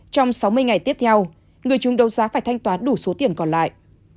trong sáu mươi ngày tiếp theo người chung đấu giá phải thanh toán đủ số tiền còn lại